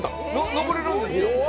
登れるんですよ